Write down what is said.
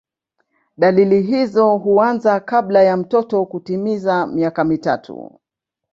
Dalili hizo huanza kabla ya mtoto kutimiza miaka mitatu.